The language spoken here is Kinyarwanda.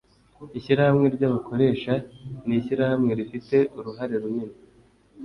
Ishyirahamwe ryabakoresha nishyirahamwe rifite uruhare runini